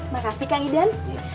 makasih kang idan